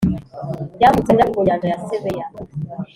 yambutse ajya ku nyanja ya sebeya